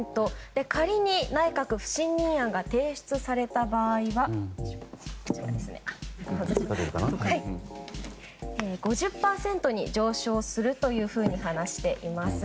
仮に内閣不信任案が提出された場合は、５０％に上昇すると話しています。